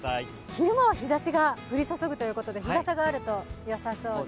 昼間は日ざしが降り注ぐということで日傘があるとよさそうです。